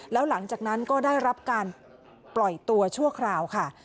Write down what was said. แล้วหลังจากนั้นก็ได้รับการปล่อยตัวชั่วคราวค่ะ